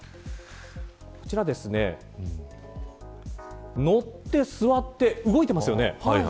こちら、乗って座って動いていますよね。